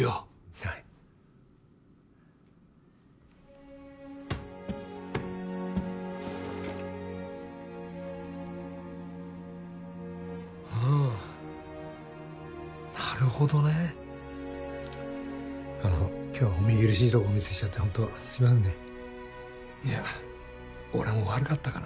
はいうんなるほどねあの今日はお見苦しいとこお見せしちゃってホントすいませんねいや俺も悪かったかな